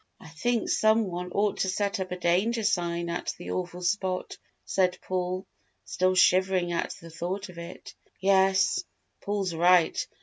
"I think some one ought to set up a danger sign at that awful spot," said Paul, still shivering at the thought of it. "Yes, Paul's right.